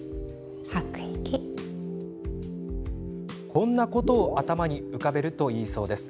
こんなことを頭に浮かべるといいそうです。